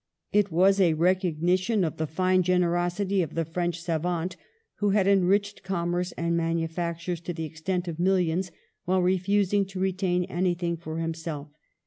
It was a recognition of the fine generosity of the French savant, who had enriched com merce and manufactures to the extent of mil lions, while refusing to retain anything for himself.